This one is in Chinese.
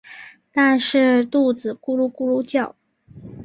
但是肚子咕噜咕噜叫